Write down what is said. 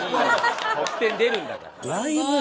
得点出るんだから。